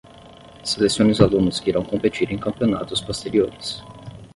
Selecione os alunos que irão competir em campeonatos posteriores.